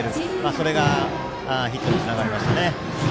それがヒットにつながりましたね。